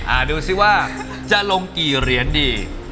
ดูสิว่าจะลงกี่เหรียญดี